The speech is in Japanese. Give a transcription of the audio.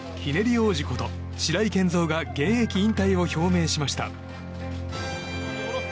王子こと白井健三が現役引退を表明しました。